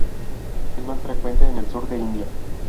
Es más frecuente en el sur de India.